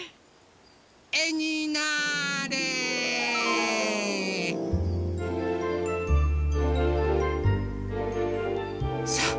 えになあれ！さあ！